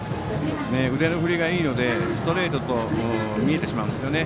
腕の振りがいいのでストレートと見えてしまうんですよね。